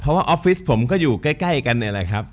เพราะว่าออฟฟิศผมก็อยู่ใกล้กันเนี่ยแหละครับ